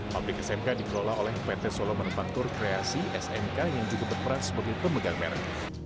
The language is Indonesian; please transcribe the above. pabrik smk dikelola oleh pt solo manufaktur kreasi smk yang juga berperan sebagai pemegang merek